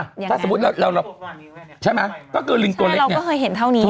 อ่ะถ้าสมมุติเราเราก็เธอเราก็ได้เห็นเท่านี้นะ